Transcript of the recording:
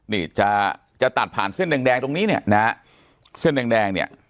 นี่จะจะตัดผ่านเส้นแดงแดงตรงนี้เนี่ยนะฮะเส้นแดงแดงเนี่ย